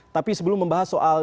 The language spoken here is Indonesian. tapi sebelum membahas soal